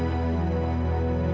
gobi aku mau ke rumah